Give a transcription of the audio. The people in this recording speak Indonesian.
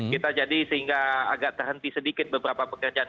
kita jadi sehingga agak terhenti sedikit beberapa pekerjaan